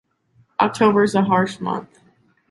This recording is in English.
Octobers a harsh month.